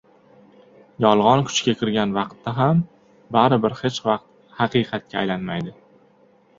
Yolg‘on kuchga kirgan vaqtda ham baribir hech vaqt haqiqatga aylanmaydi.